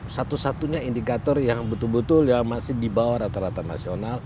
satu satunya indikator yang betul betul masih di bawah rata rata nasional